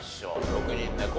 ６人目昴